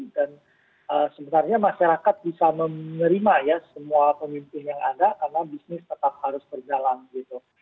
dan sebenarnya masyarakat bisa menerima ya semua pemimpin yang ada karena bisnis tetap harus berjalan gitu